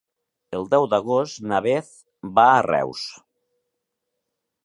El deu d'agost na Beth va a Reus.